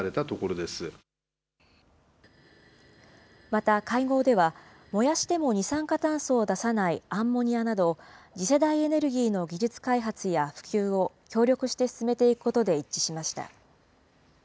また会合では、燃やしても二酸化炭素を出さないアンモニアなど、次世代エネルギーの技術開発や普及を協力して進めていくことで一致しました。